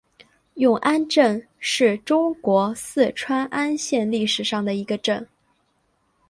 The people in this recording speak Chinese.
永安镇是中国四川安县历史上的一个镇。